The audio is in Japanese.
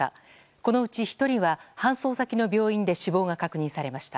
このうち１人は搬送先の病院で死亡が確認されました。